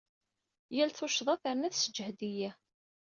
Yal tuccḍa terna tesseǧhed-iyi.